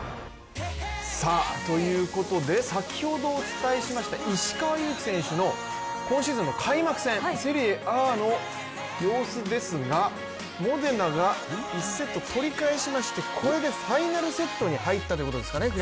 ということで、先ほどお伝えしました石川祐希選手の今シーズンの開幕戦セリエＡの様子ですがモデナが１セット取り返しましてこれでファイナルセットに入ったということですかね